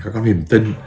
có niềm tin